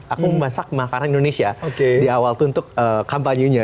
aku memasak makanan indonesia di awal itu untuk kampanyenya